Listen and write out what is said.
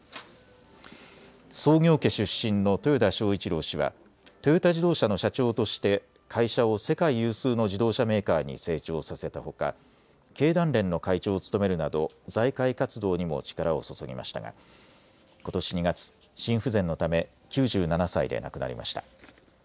創業家出身の豊田章一郎氏はトヨタ自動車の社長として会社を世界有数の自動車メーカーに成長させたほか経団連の会長を務めるなど財界活動にも力を注ぎましたがことし２月、心不全のため９７歳で亡くなりました。